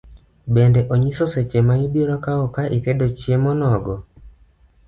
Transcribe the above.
Bende onyiso seche maibiro kawo ka itedo chiemo nogo